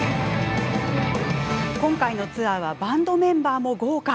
今回のツアーはバンドメンバーも豪華。